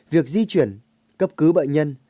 việc di chuyển cấp cứ bệnh nhân